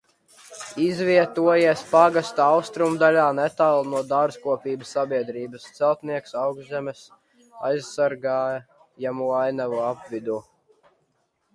"Izvietojies pagasta austrumdaļā netālu no dārzkopības sabiedrības "Celtnieks" Augšzemes aizsargājamo ainavu apvidū."